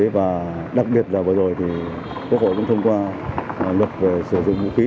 và đặc biệt là vừa rồi thì quốc hội cũng thông qua luật về sử dụng vũ khí